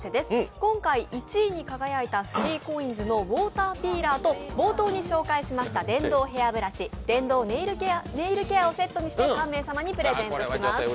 今回１位に輝いた３ＣＯＩＮＳのウォーターピーラーと冒頭に紹介しました電動ネイルケアをセットにして３名様にプレゼントします。